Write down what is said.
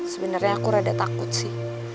sebenarnya aku rada takut sih